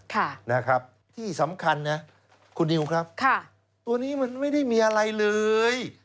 ค่ะนะครับที่สำคัญนะคุณนิวครับค่ะตัวนี้มันไม่ได้มีอะไรเลย